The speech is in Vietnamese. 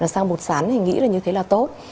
sang bột sắn thì nghĩ là như thế là tốt